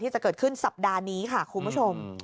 จะเกิดขึ้นสัปดาห์นี้ค่ะคุณผู้ชม